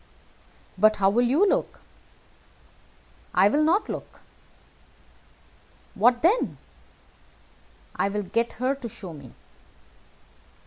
"But how will you look?" "I will not look." "What then?" "I will get her to show me."